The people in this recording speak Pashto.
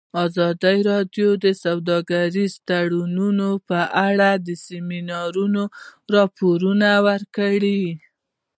ازادي راډیو د سوداګریز تړونونه په اړه د سیمینارونو راپورونه ورکړي.